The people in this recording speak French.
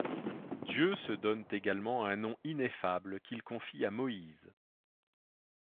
Dieu se donne également un nom ineffable qu'il confie à Moïse.